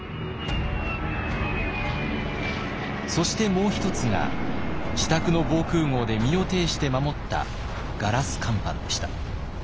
そしてもう一つが自宅の防空壕で身をていして守ったガラス乾板でした。